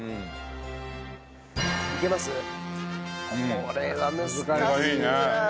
これは難しいな。